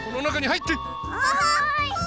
はい。